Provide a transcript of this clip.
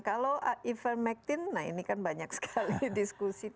kalau ivermectin nah ini kan banyak sekali diskusi